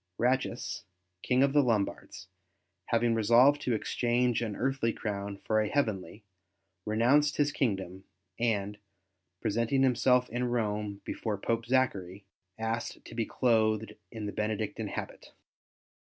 Ratchis, King of the Lombards, having resolved to exchange an earthly crown for a heavenly, renounced his kingdom and, presenting himself in Rome before Pope Zachary, asked to be clothed in the Bene dictine habit.